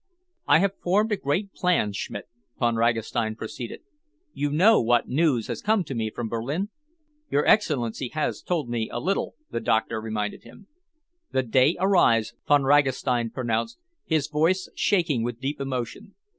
"I have formed a great plan, Schmidt," Von Ragastein proceeded. "You know what news has come to me from Berlin?" "Your Excellency has told me a little," the doctor reminded him. "The Day arrives," Von Ragastein pronounced, his voice shaking with deep emotion.